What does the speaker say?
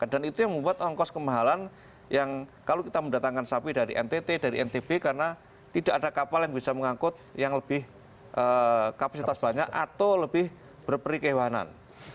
dan itu yang membuat ongkos kemahalan yang kalau kita mendatangkan sapi dari ntt dari ntp karena tidak ada kapal yang bisa mengangkut yang lebih kapasitas banyak atau lebih berperikewanan